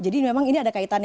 jadi memang ini ada kaitannya